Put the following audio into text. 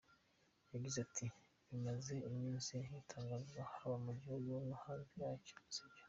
Yagize ati “Ibimaze iminsi bitangazwa haba mu gihugu no hanze yacyo sibyo.